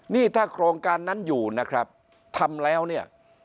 นี่ถ้าโครงการนั้นอยู่นะครับทำแล้วเนี่ย